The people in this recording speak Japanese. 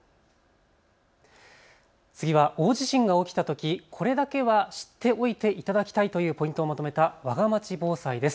次は大地震が起きたときこれだけは知っておいていただきたいというポイントをまとめたわがまち防災です。